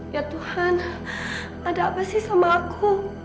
ya tuhan ada apa sih sama aku